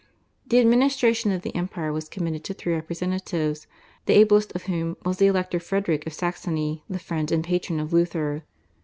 The administration of the Empire was committed to three representatives, the ablest of whom was the Elector Frederick of Saxony, the friend and patron of Luther.